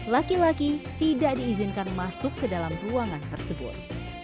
laki laki tidak diizinkan masuk ke dalam ruangan tersebut